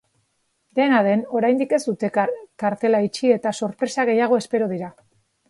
Dena den, oraindik ez dute kartela itxi eta sorpresa gehiago espero dira.